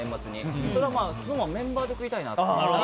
それをＳｎｏｗＭａｎのメンバーで食いたいなと。